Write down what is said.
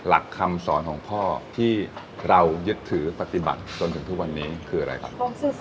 หลักคำสอนของพ่อที่เรายึดถือปฏิบัติจนถึงทุกวันนี้คืออะไรครับ